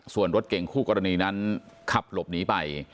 ส่วนรถเก่งคู่กรณีนั้นขับหลบหนีไป